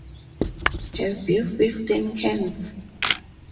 Have you fifteen cans?